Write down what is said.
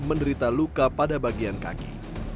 menderita luka pada bagian kaki